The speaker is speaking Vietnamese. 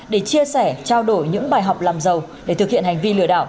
để chia sẻ trao đổi những bài học làm giàu để thực hiện hành vi lừa đảo